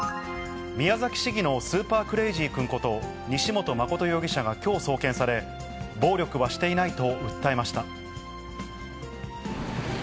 宮崎市議のスーパークレイジー君こと、西本誠容疑者がきょう送検され、暴力してないよ。